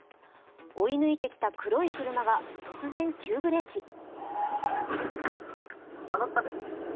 追い抜いてきた黒い車が突然急ブレーキ。